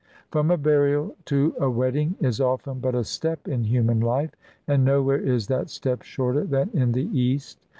From a burial to a wedding is often but a step in human life, and nowhere is that step shorter than in the East.